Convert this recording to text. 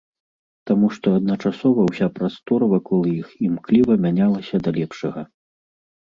Таму што адначасова ўся прастора вакол іх імкліва мянялася да лепшага.